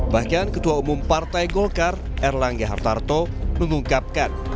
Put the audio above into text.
bahkan ketua umum partai golkar erlangga hartarto mengungkapkan